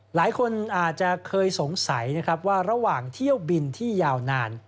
หลายคนอาจจะเคยสงสัยนะครับว่าระหว่างเที่ยวบินที่ยาวนาน